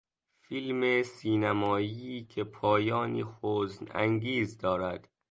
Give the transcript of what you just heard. فیلم سینمایی که پایانی حزن انگیز دارد.